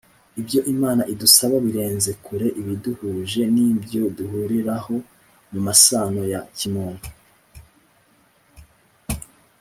Ibyo Imana idusaba birenze kure ibiduhuje n’ibyo duhuriraho mu masano ya kimuntu.